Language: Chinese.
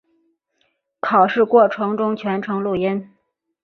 考试过程中全程录音。